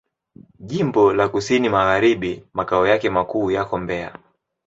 Jimbo la Kusini Magharibi Makao yake makuu yako Mbeya.